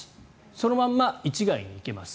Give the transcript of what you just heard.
そのまま市ケ谷に行けます。